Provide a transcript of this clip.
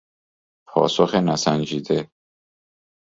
پاسخ نسنجیده